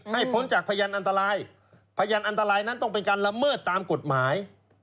พ้นจากพยานอันตรายพยานอันตรายนั้นต้องเป็นการละเมิดตามกฎหมาย